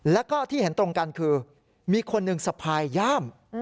แล้วก็ที่เห็นตรงกันคือมีคนหนึ่งสะพายย่าม